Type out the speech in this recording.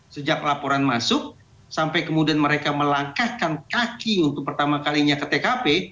sejak laporan masuk sampai kemudian mereka melangkahkan kaki untuk pertama kalinya ke tkp